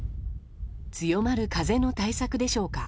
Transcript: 強まる風の対策でしょうか。